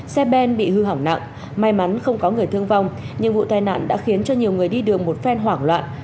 xe ben bị hư hỏng nặng may mắn không có người thương vong nhưng vụ tai nạn đã khiến cho nhiều người đi đường một phen hoảng loạn